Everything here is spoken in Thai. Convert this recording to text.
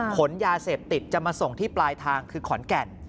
ขนยาเสพติดจะมาส่งที่ปลายทางคือขอนแก่น